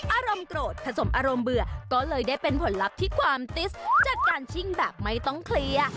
อารมณ์โกรธผสมอารมณ์เบื่อก็เลยได้เป็นผลลัพธ์ที่ความติสจากการชิ่งแบบไม่ต้องเคลียร์